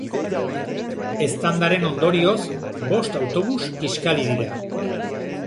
Eztandaren ondorioz, bost autobus kiskali dira.